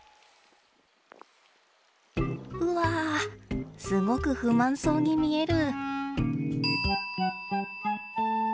うわすごく不満そうに見える。